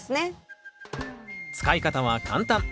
使い方は簡単。